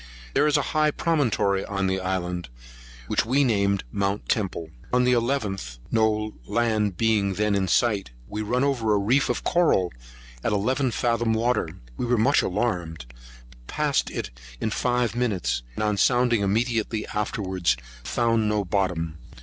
There is a high promontory on this island, which we named Mount Temple. On the 11th, no land being then in sight, we run over a reef of coral, in eleven fathom water. We were much alarmed, but passed it in five minutes; and on sounding immediately afterwards, found no bottom.